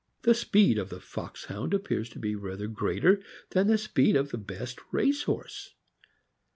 The speed of the Foxhound appears to be rather greater than the speed of the best race horse.